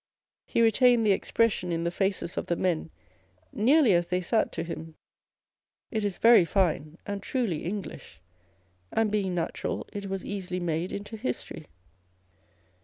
He retained the expression in the faces of the men nearly as they sat to him. It is very fine, and truly English ; and being natural, it was easily made into history.